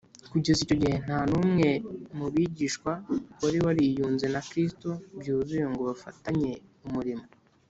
kugeza icyo gihe, nta n’umwe mu bigishwa wari wariyunze na kristo byuzuye ngo bafatanye umurimo